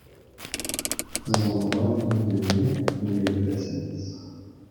Teẓmeḍ -iyi yelli ger ifassen-is.